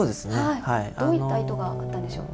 どういった意図があったんでしょう。